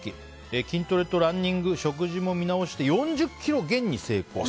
筋トレとランニング食事も見直して４０ｋｇ減に成功です。